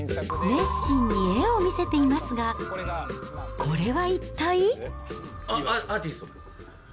熱心に絵を見せていますが、これは一体？